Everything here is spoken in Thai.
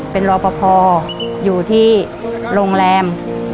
เป็นรอปภอยู่ที่โรงแรม